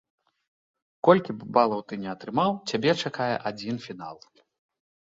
Колькі б балаў ты ні атрымаў, цябе чакае адзін фінал.